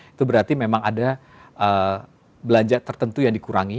itu berarti memang ada belanja tertentu yang dikurangi